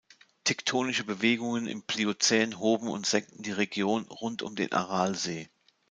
Tektonische Bewegungen im Pliozän hoben und senkten die Region rund um den Aralsee.